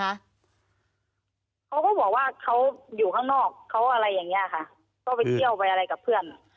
เขาก็บอกว่าเขาอยู่ข้างนอกเขาอะไรอย่างเงี้ยค่ะก็ไปเที่ยวไปอะไรกับเพื่อน